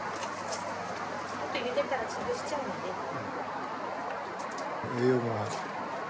あとゆでたらつぶしちゃうので。